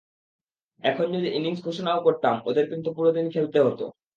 এখন যদি ইনিংস ঘোষণাও করতাম, ওদের কিন্তু পুরো দিন খেলতে হতো।